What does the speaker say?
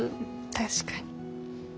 確かに。